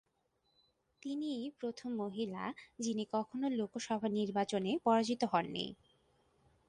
তিনিই প্রথম মহিলা যিনি কখনো লোকসভা নির্বাচনে পরাজিত হন নি।